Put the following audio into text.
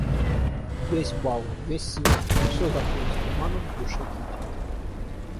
Весь бал, весь свет, всё закрылось туманом в душе Кити.